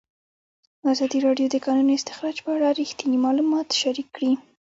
ازادي راډیو د د کانونو استخراج په اړه رښتیني معلومات شریک کړي.